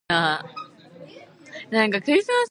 "Within These Walls", a prison drama starring Googie Withers.